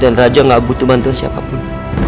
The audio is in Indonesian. dan raja gak butuh mantan siapapun